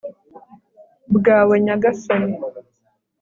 bwawe nyagasani